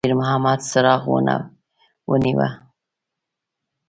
شېرمحمد څراغ ونیوه.